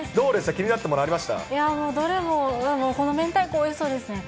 気になったもの、どれもこのめんたいこ、おいしそうですね。